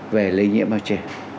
về lây nhiễm bao trẻ